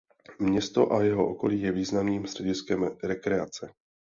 Město a jeho okolí je významným střediskem rekreace.